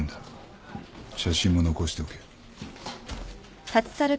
写真も残しておけ。